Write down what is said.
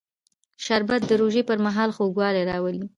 شربت د روژې پر مهال خوږوالی راولي